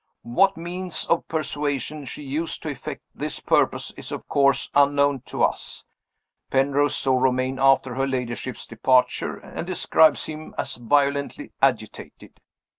What means of persuasion she used to effect this purpose is of course unknown to us. Penrose saw Romayne after her ladyship's departure, and describes him as violently agitated.